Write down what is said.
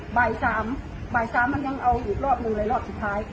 บ่าย๓บ่าย๓มันยังเอาอีกรอบหนึ่งเลยรอบสุดท้าย